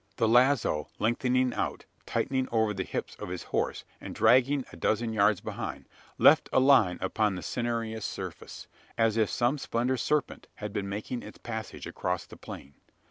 The lazo, lengthening out, tightened over the hips of his horse; and, dragging a dozen yards behind, left a line upon the cinereous surface as if some slender serpent had been making its passage across the plain.